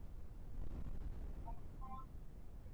Muuguzi alisema huku akimtazama Lulu